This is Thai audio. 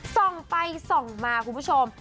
ส่องไปส่องมาคุณผู้ชม